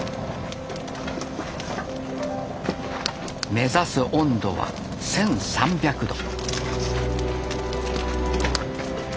目指す温度は１，３００℃。